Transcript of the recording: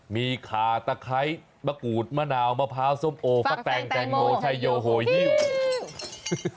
มีคาตะไครมะกรุ๋นมะนาวมะพร้าวส้มโอะฟักเต็งแตงโมไซโยโฮพิว